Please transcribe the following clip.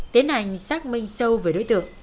tiến hành xác minh sâu về đối tượng